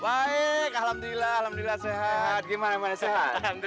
baik alhamdulillah alhamdulillah sehat gimana mas ya